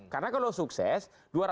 karena kalau sukses